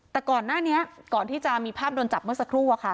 แต่ก่อนหน้านี้ก่อนที่จะมีภาพโดนจับเมื่อสักครู่อะค่ะ